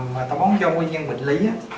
mà táo bón cho nguyên nhân bệnh lý á